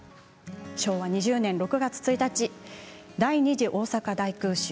昭和２０年６月１日第二次大阪大空襲。